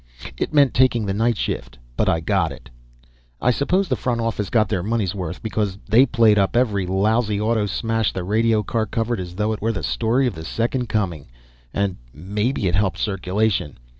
It meant taking the night shift, but I got it. I suppose the front office got their money's worth, because they played up every lousy auto smash the radio car covered as though it were the story of the Second Coming, and maybe it helped circulation.